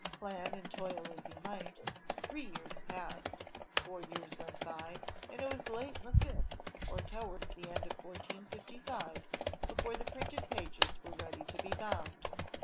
Plan and toil as he might, three years passed, four years went by, and it was late in the fifth, or towards the end of 1455, before the printed pages were ready to be bound.